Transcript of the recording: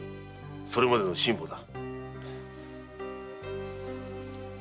それまでの辛抱だ。